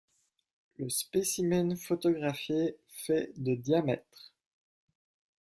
Le spécimen photographié fait de diamètre.